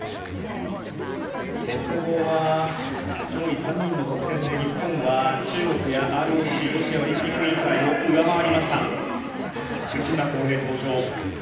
鉄棒は、上位３人の得点で日本は中国や、ＲＯＣロシアオリンピック委員会を上回りました、内村航平登場。